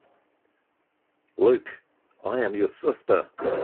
Luke, I am your sister!